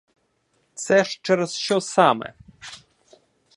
Це ж через що саме?